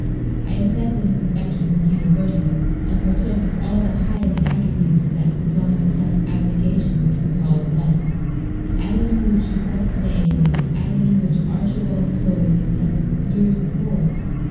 I have said that his affection was universal, and partook of all the highest attributes of that sublime self abnegation which we call Love. The agony which he felt to day was the agony which Archibald Floyd had suffered years before.